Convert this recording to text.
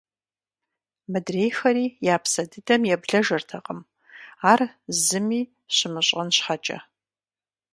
Мыдрейхэри я псэ дыдэм еблэжыртэкъым, ар зыми щымыщӀэн щхьэкӀэ.